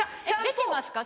出てますか？